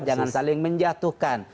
jangan saling menjatuhkan